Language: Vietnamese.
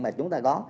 mà chúng ta có